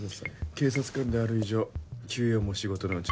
警察官である以上休養も仕事のうちだ。